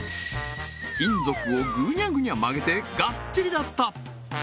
金属をぐにゃぐにゃ曲げてがっちりだった！